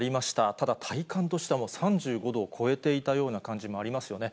ただ、体感としては３５度を超えていたような感じもありますよね。